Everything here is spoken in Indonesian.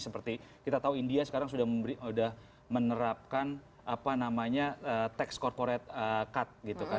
seperti kita tahu india sekarang sudah menerapkan apa namanya tax corporate cut gitu kan